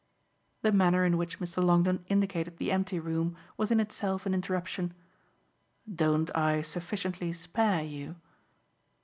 The manner in which Mr. Longdon indicated the empty room was in itself an interruption. "Don't I sufficiently spare you?"